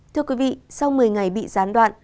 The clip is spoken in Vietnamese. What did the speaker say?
thưa quý vị sau một mươi ngày bị gián đoạn